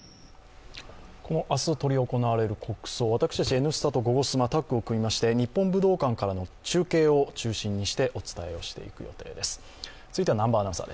明日執り行われる国葬、私たち「Ｎスタ」と「ゴゴスマ」タッグを組みまして日本武道館からの中継を中心にしてお伝えしていく予定です。